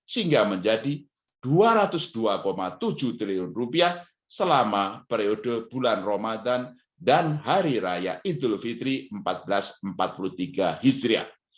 sehingga menjadi rp dua ratus dua tujuh triliun selama periode bulan ramadan dan hari raya idul fitri seribu empat ratus empat puluh tiga hijriah